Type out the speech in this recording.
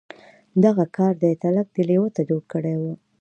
دغه کار دی تلک دې لېوه ته جوړ کړی و.